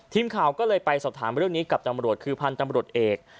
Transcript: ทีมข่าวก็เลยไปสอบถามเรื่องนี้กับตำรวจคือพันธุ์ตำรวจเอก